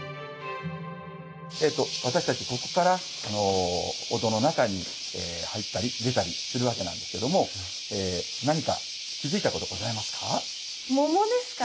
私たちここからお堂の中に入ったり出たりするわけなんですけども何か気付いたことございますか？